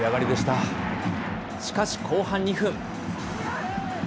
しかし、後半２分。